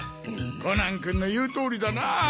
コナン君の言う通りだなぁ。